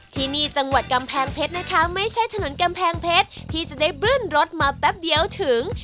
ที่นี่จังหวัดกำแพงเพชรนะคะไม่ใช่ถนนกำแพงเพชรที่จะได้บลื้นรถมาแป๊บเดียวถึง